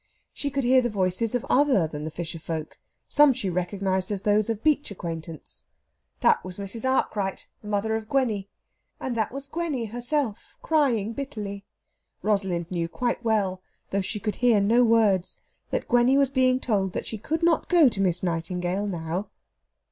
She could hear the voices of other than the fisher folk some she recognised as those of beach acquaintance. That was Mrs. Arkwright, the mother of Gwenny. And that was Gwenny herself, crying bitterly. Rosalind knew quite well, though she could hear no words, that Gwenny was being told that she could not go to Miss Nightingale now.